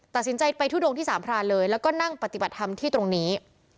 ตัดสินใจไปทุดงที่สามพรานเลยแล้วก็นั่งปฏิบัติธรรมที่ตรงนี้